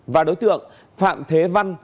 và đối tượng phạm thế văn